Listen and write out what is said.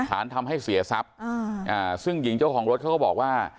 ฐานทำให้เสียทรัพย์ซึ่งหญิงเจ้าของรถเขาก็บอกว่า